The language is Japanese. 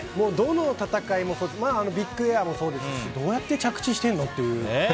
どの戦いもそうですがビッグエアもそうですしどうやって着地してるの？という。